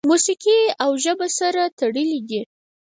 موسیقي او ژبه سره تړلي دي.